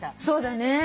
そうだね。